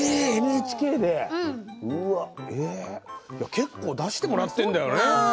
結構、出してもらってるんだよね。